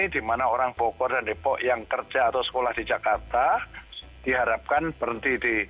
di mana orang bogor dan depok yang kerja atau sekolah di jakarta diharapkan berhenti di